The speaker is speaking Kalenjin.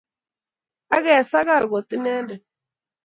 Ak kesagar kot Inendet.